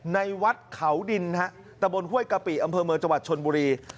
ในวัดเขาดินฮะตะบนห้วยกะปิอำเภอเมืองจังหวัดชนบุรี